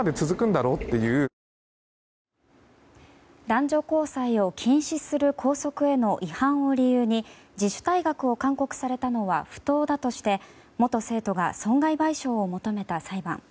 男女交際を禁止する校則への違反を理由に自主退学を勧告されたのは不当だとして元生徒が損害賠償を求めた裁判。